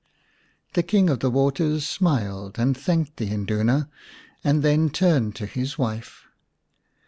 The King of the Waters smiled and thanked the Induna, and then turned to his wife.